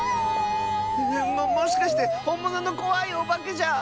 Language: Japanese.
ももしかしてほんもののこわいおばけじゃ。